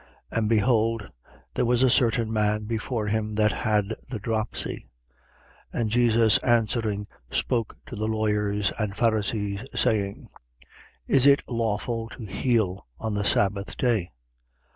14:2. And behold, there was a certain man before him that had the dropsy. 14:3. And Jesus answering, spoke to the lawyers and Pharisees, saying: Is it lawful to heal on the sabbath day?